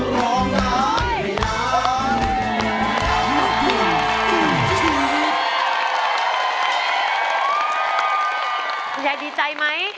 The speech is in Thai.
ร้องได้ร้องได้